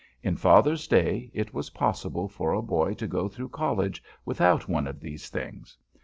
In Father's day, it was possible for a boy to go through College without one of these things.